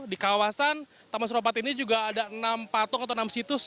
di kawasan taman suropat ini juga ada enam patung atau enam situs